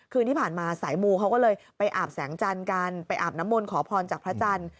คืนที่ผ่านมาสายมูศ์เขาก็เลย